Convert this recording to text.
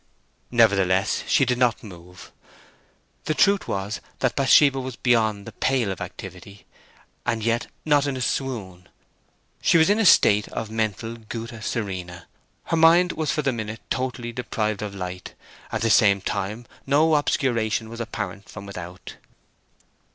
Nevertheless, she did not move. The truth was that Bathsheba was beyond the pale of activity—and yet not in a swoon. She was in a state of mental gutta serena; her mind was for the minute totally deprived of light at the same time no obscuration was apparent from without.